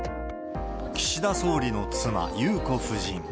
岸田総理の妻、裕子夫人。